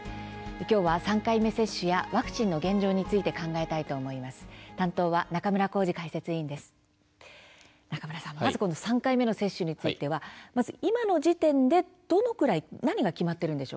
きょうは３回目接種やワクチンの現状について考えたいと思います。